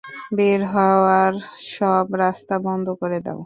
বের হওয়ার সব রাস্তা বন্ধ করে দাও।